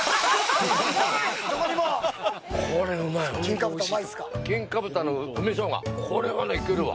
これ、うまいわ！